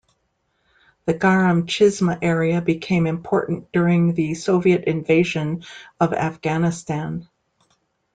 The Garam Chishma area became important during the Soviet invasion of Afghanistan.